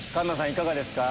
いかがですか？